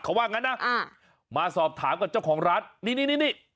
เขาว่างั้นนะมาสอบถามกับเจ้าของร้านนี่นี่